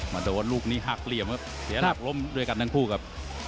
มาโดนลูกนี้หักเหลี่ยมเดี๋ยวหลับล้มด้วยกันทั้งคู่ครับ